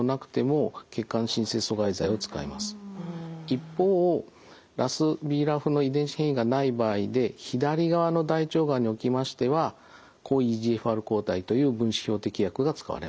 一方ＲＡＳＢＲＡＦの遺伝子変異がない場合で左側の大腸がんにおきましては抗ＥＧＦＲ抗体という分子標的薬が使われます。